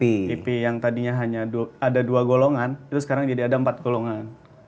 ip yang tadinya hanya ada dua golongan itu sekarang jadi ada empat golongan